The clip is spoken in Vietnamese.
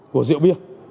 của rượu bia